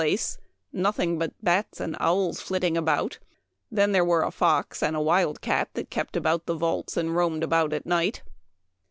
place, nothing but bats and owls flitting about ; then there were a fox and a wild cat that kept about the vaults, and roamed about at night.